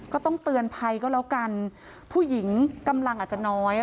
ก็ต้องเตือนภัยก็แล้วกันผู้หญิงกำลังอาจจะน้อย